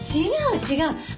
違う違う！